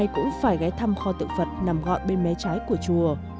cũng phải gái thăm kho tượng phật nằm gọn bên mé trái của chùa